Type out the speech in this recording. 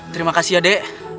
terima kasih ya dek